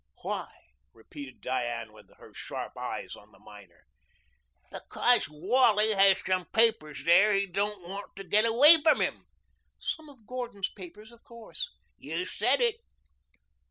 "Why?" repeated Diane with her sharp eyes on the miner. "Because Wally has some papers there he don't want to get away from him." "Some of Gordon's papers, of course." "You've said it."